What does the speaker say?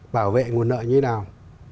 bảo vệ nguồn nợ như thế nào